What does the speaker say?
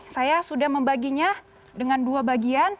saya sudah membaginya dengan dua bagian